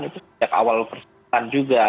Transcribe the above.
itu sejak awal persiapan juga